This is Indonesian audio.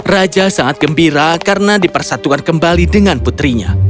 raja sangat gembira karena dipersatukan kembali dengan putrinya